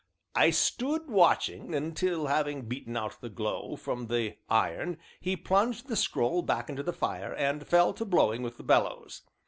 I stood watching until, having beaten out the glow from the iron, he plunged the scroll back into the fire, and fell to blowing with the bellows.